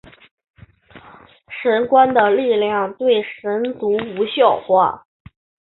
神官的力量对神族无效化。